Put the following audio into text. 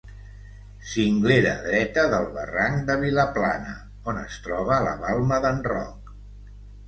Cinglera dreta del barranc de Vilaplana, on es troba la Balma d'en Roc.